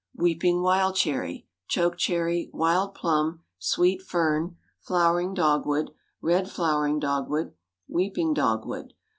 Weeping wild cherry. Choke cherry. Wild plum. Sweet fern. Flowering dogwood. Red flowering dogwood. Weeping dogwood.